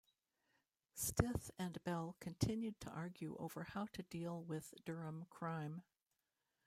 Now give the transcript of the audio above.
Stith and Bell continued to argue over how to deal with Durham crime.